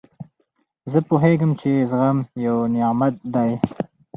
زه پوهېږم، چي زغم یو نعمت دئ.